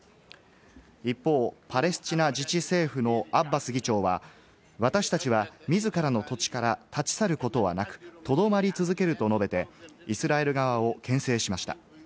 一方、パレスチナ自治政府のアッバス議長は私達は自らの土地から立ち去ることはなくとどまり続けると述べて、イスラエル側をけん制しました。